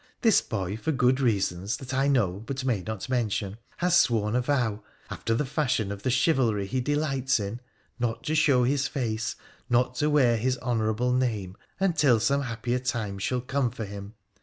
This boy, for good reasons that I know but may not mention, has sworn a vow, after the fashion of the chivalry he delights in, not to show his face, not to wear his honourable name, until some happier times shall come for him.